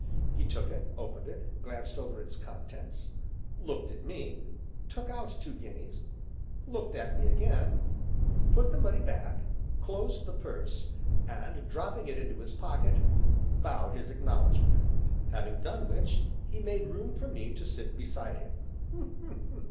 He took it, opened it, glanced over its contents, looked at me, took out two guineas, looked at me again, put the money back, closed the purse, and, dropping it into his pocket, bowed his acknowledgment. Having done which, he made room for me to sit beside him.